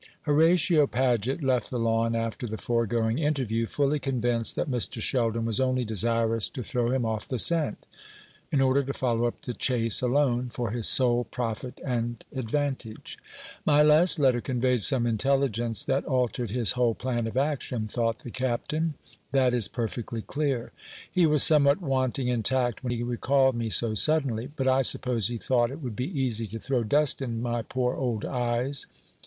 Horatio Paget left the Lawn after the foregoing interview, fully convinced that Mr. Sheldon was only desirous to throw him off the scent, in order to follow up the chase alone, for his sole profit and advantage. "My last letter conveyed some intelligence that altered his whole plan of action," thought the Captain; "that is perfectly clear. He was somewhat wanting in tact when he recalled me so suddenly. But I suppose he thought it would be easy to throw dust in my poor old eyes.